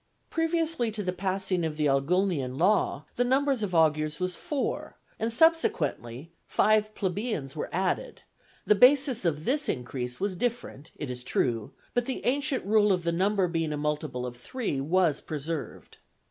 Previously to the passing of the Ogulnian law the number of augurs was four, and when subsequently five plebeians were added, the basis of this increase was different, it is true, but the ancient rule of the number being a multiple of three was preserved.